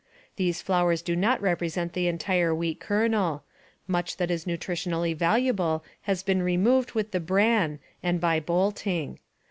These flours do not represent the entire wheat kernel ; much that is nutritionally valuable has been removed with the bran and by bolting.